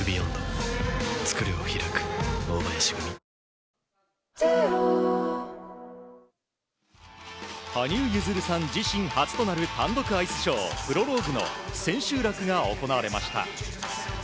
ＪＴ羽生結弦さん、自身初となる単独アイスショー「プロローグ」の千秋楽が行われました。